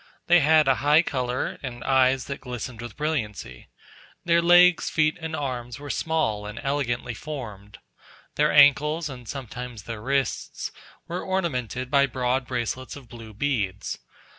They had a high colour, and eyes that glistened with brilliancy; their legs, feet, and arms were small and elegantly formed; their ankles, and sometimes their wrists, were ornamented by broad bracelets of blue beads.